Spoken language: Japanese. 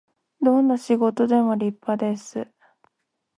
どんな仕事でも立派です